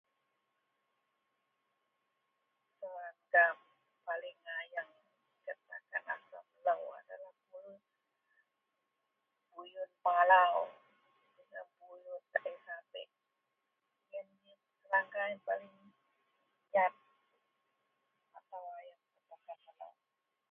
[unintelligible] serangga wak paling ayang gak.. [unintelligible] kou adalah buyun, buyun balau jegum buyun taie sapek ien ji serangga paling nyat atau ayeng... [unintelligible]